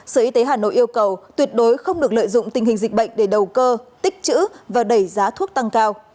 sở y tế hà nội yêu cầu tuyệt đối không được lợi dụng tình hình dịch bệnh để đầu cơ tích chữ và đẩy giá thuốc tăng cao